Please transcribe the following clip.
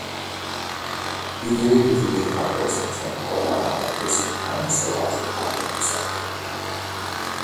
Easily defeating Kato's henchmen, Oyama then faces a final showdown with Kato himself.